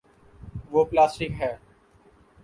وہ پلاسٹک ہے۔